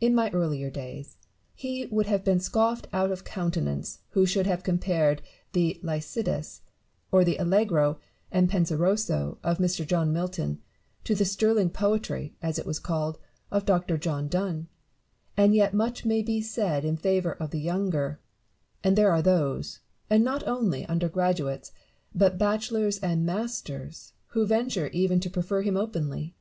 In my early days, he would have been scoffed out of countenance who should have compared the Lycidas, or the Allegro and Fenseroso, of Mr. John Milton to the sterling poetry (as it was called) of Dr. John Donne : and yet much may be said in favour of the younger ; and there are those, and not only under graduates, but bachelors and masters, who venture even to prefer him openly.